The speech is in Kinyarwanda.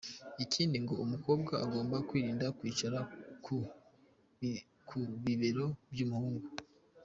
Ikindi ngo umukobwa agomba kwirinda kwicara ku bibero by’umuhungu.